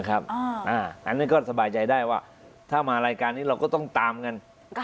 อันนี้ก็สบายใจได้ว่าถ้ามารายการนี้เราก็ต้องตามกัน